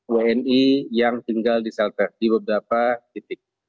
satu ratus lima puluh wni yang tinggal di selter di beberapa titik